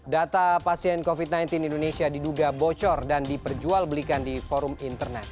data pasien covid sembilan belas di indonesia diduga bocor dan diperjualbelikan di forum internet